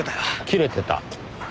切れてた？